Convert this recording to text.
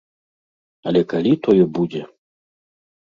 Але калі тое будзе?